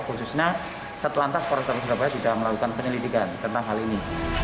khususnya setelah antas portabas surabaya sudah melakukan penelitikan tentang hal ini